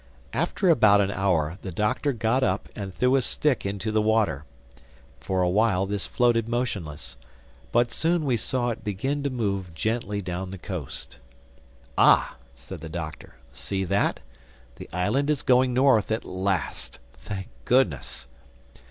After about an hour the Doctor got up and threw a stick into the water. For a while this floated motionless. But soon we saw it begin to move gently down the coast. "Ah!" said the Doctor, "see that?—The island is going North at last. Thank goodness!"